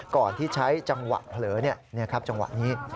ก่อนที่ใช้จังหวะเผลอจังหวะนี้